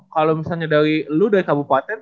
kalau misalnya dari lu dari kabupaten